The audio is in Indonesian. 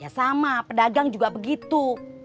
ya sama pedagang juga begitu